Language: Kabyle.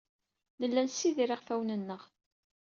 Nella nessidir iɣfawen-nneɣ.